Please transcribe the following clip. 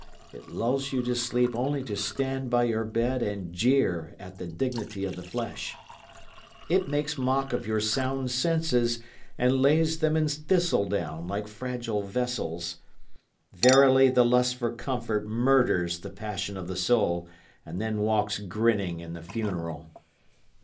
It lulls you to sleep only to stand by your bed and jeer at the dignity of the flesh. It makes mock of your sound senses, and lays them in thistledown like fragile vessels. Verily the lust for comfort murders the passion of the soul, and then walks grinning in the funeral.